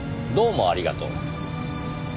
どうもありがとう。